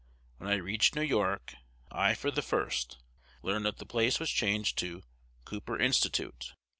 When I reached New York, I, for the first, learned that the place was changed to "Cooper Institute."